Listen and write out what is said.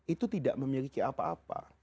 itu tidak memiliki apa apa